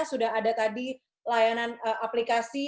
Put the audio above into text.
sudah ada tadi layanan aplikasi